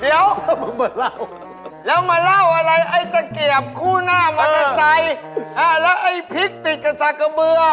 เดี๋ยวแล้วมาเล่าอะไรไอ้ตะเกียบคู่หน้ามันจะใส่แล้วไอ้พริกติดกับซักมือ